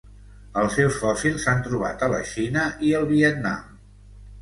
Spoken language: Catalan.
Els seus fòssils s'han trobat a la Xina i Vietnam.